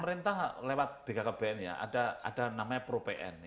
pemerintah lewat bkkbn ya ada namanya pro pn